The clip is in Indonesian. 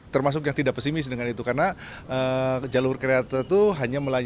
termasuk yang tidak pesimis dengan itu karena jalur kereta itu hanya melaju